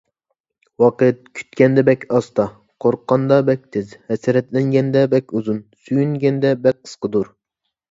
ۋاقىت كۈتكەندە بەك ئاستا، قورققاندا بەك تېز، ھەسرەتلەنگەندە بەك ئۇزۇن، سۆيۈنگەندە بەك قىسقىدۇر.